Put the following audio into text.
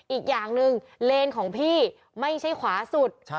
อีกอย่างหนึ่งเลนของพี่ไม่ใช่ขวาสุด